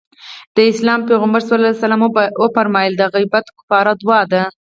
د اسلام پيغمبر ص وفرمايل د غيبت کفاره دعا ده.